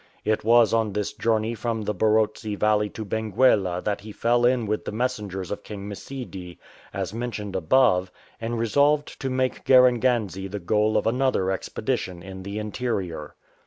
"" It was on this journey from the Barotse Valley to Benguela that he fell in with the messengers of King Msidi, as mentioned above, and resolved to make Garenganze the goal of another expedition in the interior.